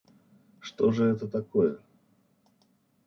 Что же это такое?»